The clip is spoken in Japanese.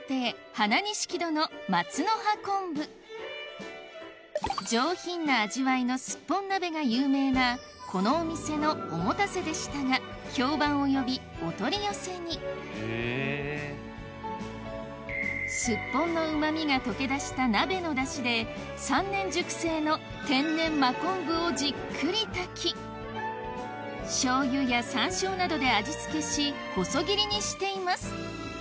花錦戸の上品な味わいのスッポン鍋が有名なこのお店のおもたせでしたが評判を呼びお取り寄せにスッポンのうまみが溶け出した鍋の出汁で３年熟成の天然真昆布をじっくり炊きしょうゆやさんしょうなどで味付けし細切りにしています